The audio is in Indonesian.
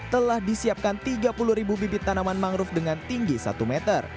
telah disiapkan tiga puluh ribu bibit tanaman mangrove dengan tinggi satu meter